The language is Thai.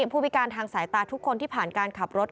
ผู้พิการทางสายตาทุกคนที่ผ่านการขับรถ